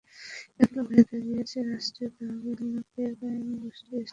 এগুলো হয়ে দাঁড়িয়েছে রাষ্ট্রীয় তহবিলকে কায়েমি গোষ্ঠীর হস্তগত করার নিয়মতান্ত্রিক পদ্ধতি।